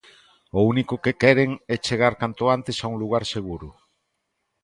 O único que queren é chegar canto antes a un lugar seguro.